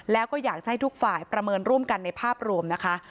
แล้วก็อยากจะให้ทุกฝ่ายประเมินร่วมกันในภาพรวมนะคะ